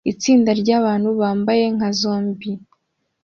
Itsinda ryabantu bambaye nka zombie